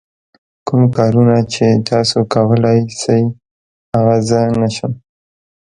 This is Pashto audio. کوم کارونه چې تاسو کولای شئ هغه زه نه شم.